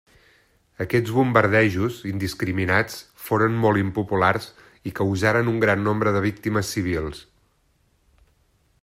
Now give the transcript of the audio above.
Aquests bombardejos indiscriminats foren molt impopulars i causaren un gran nombre de víctimes civils.